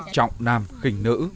trọng nam khình nữ